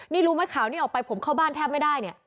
นี่รู้ไหมข่าวนี้ออกไปผมเข้าบ้านแทบไม่ได้เนี่ย